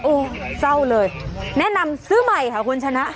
โอ้โหเศร้าเลยแนะนำซื้อใหม่ค่ะคุณชนะ